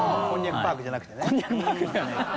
こんにゃくパークじゃなくてね。